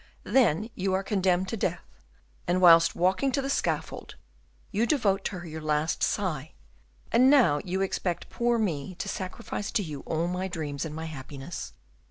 Then you are condemned to death, and whilst walking to the scaffold, you devote to her your last sigh; and now you expect poor me to sacrifice to you all my dreams and my happiness."